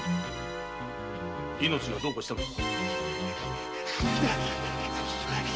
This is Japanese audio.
「命」がどうかしたのか？